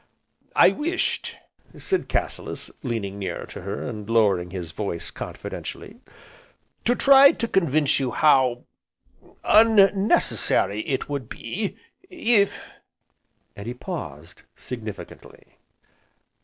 "I wished," said Cassilis, leaning nearer to her, and lowering his voice confidentially, "to try to convince you how unnecessary it would be if " and he paused, significantly.